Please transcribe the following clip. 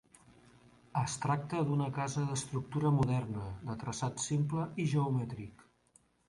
Es tracta d'una casa d'estructura moderna, de traçat simple i geomètric.